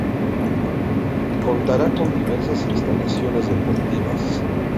Contará con diversas instalaciones deportivas.